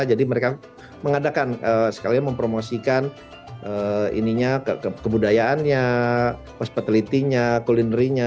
jadi mereka mengadakan sekali mempromosikan kebudayaannya hospitality nya culinary nya